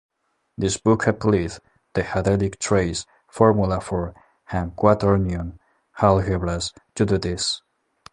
This book applied the adelic trace formula for and quaternion algebras to do this.